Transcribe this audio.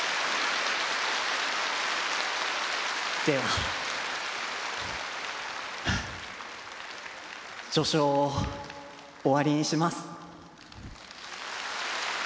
では序章を終わりにします。